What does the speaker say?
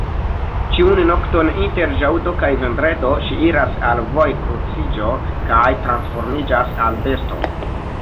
Ĉiun nokton inter ĵaŭdo kaj vendredo, ŝi iras al vojkruciĝo kaj transformiĝas al besto.